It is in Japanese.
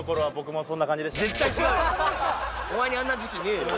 でもお前にあんな時期ねえよ